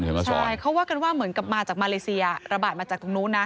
ใช่เขาว่ากันว่าเหมือนกับมาจากมาเลเซียระบาดมาจากตรงนู้นนะ